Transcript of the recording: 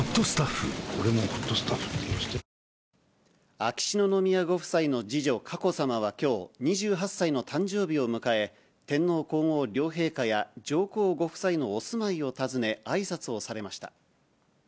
秋篠宮ご夫妻の次女、佳子さまはきょう、２８歳の誕生日を迎え、天皇皇后両陛下や上皇ご夫妻のお住まいを訪ね、あいさつをされました。